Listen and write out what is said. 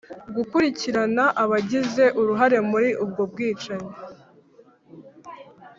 gukurikirana abagize uruhare muri ubwo bwicanyi